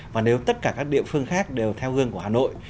và nếu tất cả các địa phương khác đều theo gương của hà nội